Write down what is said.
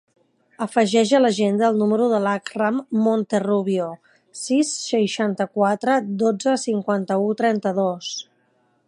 Afegeix a l'agenda el número de l'Akram Monterrubio: sis, seixanta-quatre, dotze, cinquanta-u, trenta-dos.